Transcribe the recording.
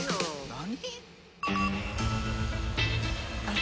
何？